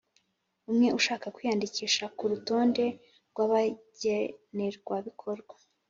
umwe ushaka kwiyandikisha ku rutonde rwabagenerwa bikorwa